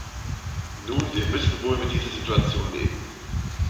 Nun, wir müssen wohl mit dieser Situation leben!